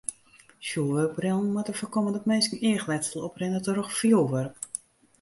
Fjoerwurkbrillen moatte foarkomme dat minsken eachletsel oprinne troch fjoerwurk.